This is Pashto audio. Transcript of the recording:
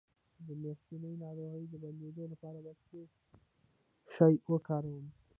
د میاشتنۍ ناروغۍ د بندیدو لپاره باید څه شی وکاروم؟